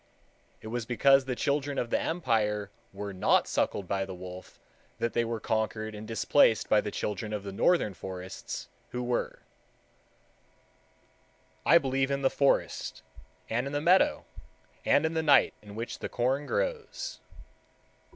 It was because the children of the Empire were not suckled by the wolf that they were conquered and displaced by the children of the northern forests who were. I believe in the forest, and in the meadow, and in the night in which the corn grows.